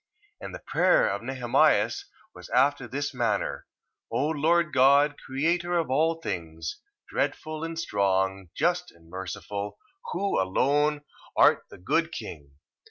1:24. And the prayer of Nehemias was after this manner: O Lord God, Creator of all things, dreadful and strong, just and merciful, who alone art the good king, 1:25.